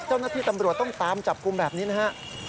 เจ้าหน้าที่ตำรวจต้องตามจับกลุ่มแบบนี้นะฮะ